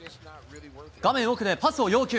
画面奥でパスを要求。